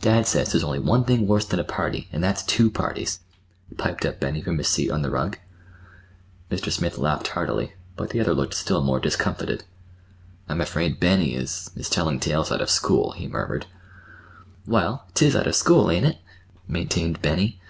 "Dad says there's only one thing worse than a party, and that's two parties," piped up Benny from his seat on the rug. Mr. Smith laughed heartily, but the other looked still more discomfited. "I'm afraid Benny is—is telling tales out of school," he murmured. "Well, 'tis out of school, ain't it?" maintained Benny.